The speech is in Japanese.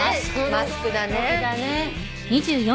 マスクだね。